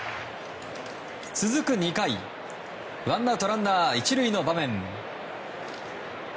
続く２回ワンアウトランナー１塁の場面。